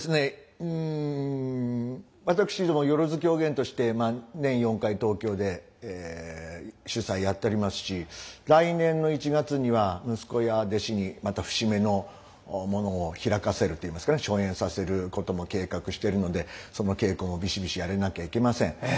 うん私ども萬狂言として年４回東京で主催やっておりますし来年の１月には息子や弟子にまた節目のものを披かせるといいますかね初演させることも計画しているのでその稽古もビシビシやらなきゃいけません。